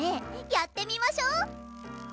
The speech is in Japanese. やってみましょ！